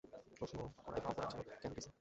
প্রশ্ন করাইবা অপরাধ ছিল কেন গ্রিসে?